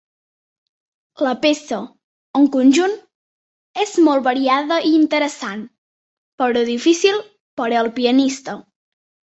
La peça, en conjunt, és molt variada i interessant, però difícil per al pianista.